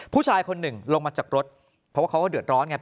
ผู้ชายคนหนึ่งลงมาจากรถเพราะว่าเขาก็เดือดร้อนไง